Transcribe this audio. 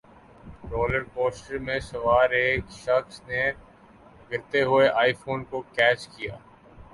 roller کوسٹرمیں سوار ایک شخص نے گرتے ہوئے آئی فون کو کیچ کیا